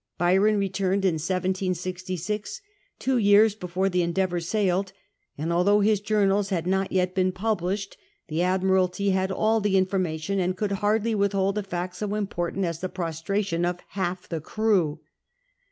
Byron returned in 1766j two years before the E ndecmur siiiled, and although his journals had not yet been published, the Admiralty had all the informa tion, and could hardly withhold a fact so important as the prostration of half the crew.